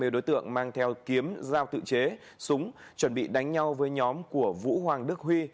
đối tượng mang theo kiếm dao tự chế súng chuẩn bị đánh nhau với nhóm của vũ hoàng đức huy